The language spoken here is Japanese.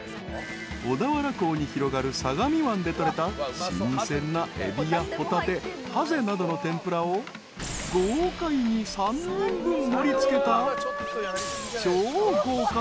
［小田原港に広がる相模湾で取れた新鮮なエビやホタテハゼなどの天ぷらを豪快に３人分盛り付けた超豪華］